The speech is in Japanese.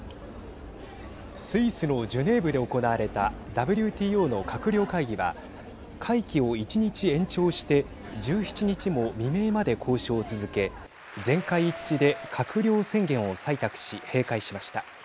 スイスのジュネーブで行われたＷＴＯの閣僚会議は会期を１日延長して１７日も未明まで交渉を続け全会一致で閣僚宣言を採択し閉会しました。